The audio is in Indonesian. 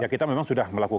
kita memang sudah melakukan